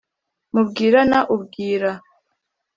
Mubwirana ubwira